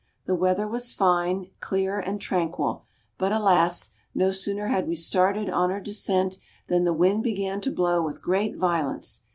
The weather was fine, clear and tranquil; but alas! no sooner had we started on our descent than the wind began to blow with great violence.